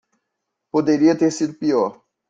Poderia ter sido pior.